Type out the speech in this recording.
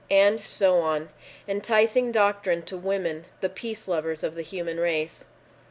And so on. Enticing doctrine to women—the peace lovers of the human race.